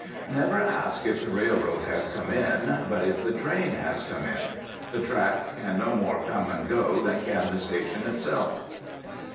Never ask if the railroad has come in, but if the train has come in. The track can no more come and go than can the station itself.